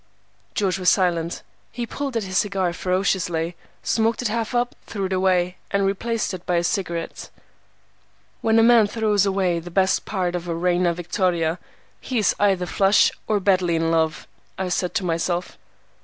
George was silent. He pulled at his cigar ferociously, smoked it half up, threw it away, and replaced it by a cigarette. "When a man throws away the best part of a Reina Victoria he is either flush or badly in love," said I to myself.